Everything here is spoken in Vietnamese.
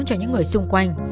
cho những người xung quanh